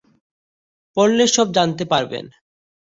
পড়লে সব জানতে পারবেন।